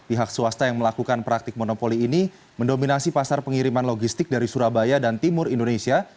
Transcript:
pihak swasta yang melakukan praktik monopoli ini mendominasi pasar pengiriman logistik dari surabaya dan timur indonesia